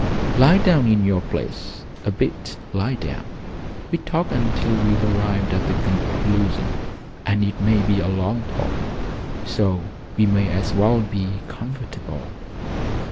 "Lie down in your place a bit lie down. We'll talk until we've arrived at a conclusion, and it may be a long talk, so we may as well be comfortable."